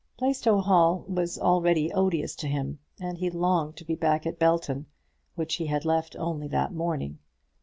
Plaistow Hall was already odious to him, and he longed to be back at Belton, which he had left only that morning.